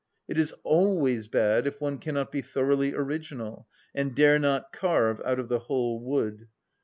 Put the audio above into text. _" It is always bad if one cannot be thoroughly original, and dare not carve out of the whole wood.